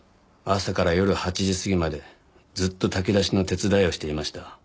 朝から夜８時過ぎまでずっと炊き出しの手伝いをしていました。